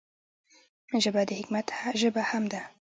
ژبه د حکمت ژبه هم ده